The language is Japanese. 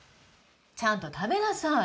ちゃんと食べなさい。